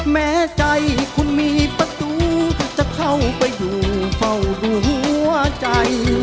แม้ใจคุณมีประตูจะเข้าไปอยู่เฝ้าดูหัวใจ